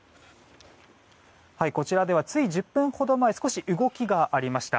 こちらではつい１０分ほど前少し動きがありました。